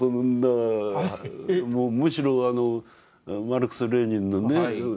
むしろあのマルクスレーニンのね